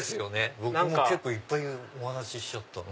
僕も結構いっぱいお話ししちゃった。